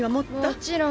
もちろん。